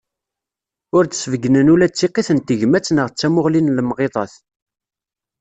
Ur d-sbeggnen ula d tiqqit n tegmat neɣ d tamuɣli n lemɣiḍat.